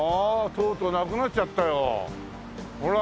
とうとうなくなっちゃったよほら。